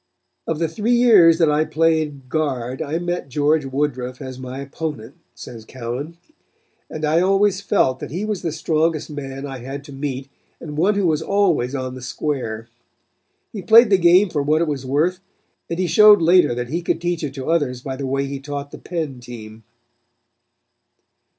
"Of the three years that I played guard I met George Woodruff as my opponent," says Cowan, "and I always felt that he was the strongest man I had to meet and one who was always on the square. He played the game for what it was worth, and he showed later that he could teach it to others by the way he taught the Penn' team."